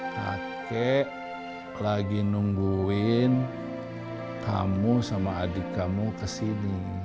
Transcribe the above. kakek lagi nungguin kamu sama adik kamu ke sini